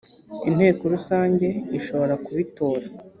inteko rusange ishobora kubitora